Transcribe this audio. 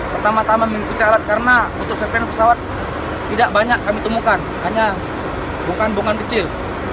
pertama tama mengikuti alat karena untuk serpen pesawat tidak banyak kami temukan hanya bunga bunga kecil